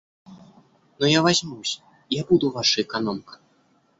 Но я возьмусь, я буду ваша экономка.